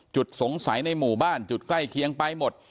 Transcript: จุดสงสัยในหมู่บ้านจุดใกล้เคียงไปหมด